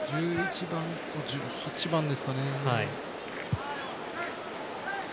１１番と１８番ですかね。